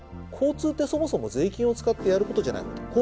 交通ってそもそも税金を使ってやることじゃないかと。